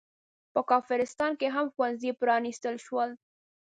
په کافرستان کې هم ښوونځي پرانستل شول.